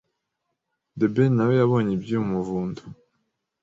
The Ben nawe yabonye iby’uyu muvundo